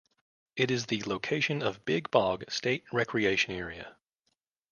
It is the location of Big Bog State Recreation Area.